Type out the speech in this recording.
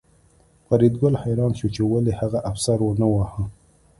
فریدګل حیران شو چې ولې هغه افسر ونه واهه